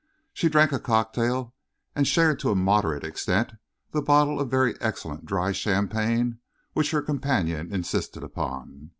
She drank a cocktail and shared to a moderate extent the bottle of very excellent dry champagne which her companion insisted upon.